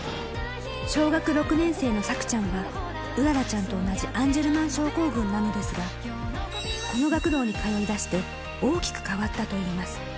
小学６年生の咲空ちゃんは、麗ちゃんと同じアンジェルマン症候群なのですが、この学童に通いだして、大きく変わったといいます。